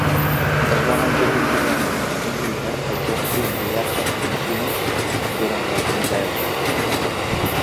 Es va mantenir fidel a la República, exercint diverses funcions durant la contesa.